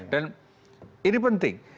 dan ini penting